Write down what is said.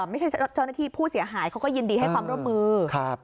ไม่ใช่เจ้าหน้าที่ผู้เสียหายเขาก็ยินดีให้ความร่วมมือ